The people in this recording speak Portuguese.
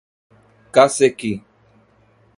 Cacequi